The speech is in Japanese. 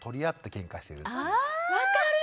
分かる！